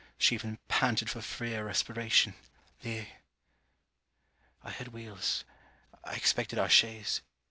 She even panted for freer respiration. The I heard wheels. I expected our chaise.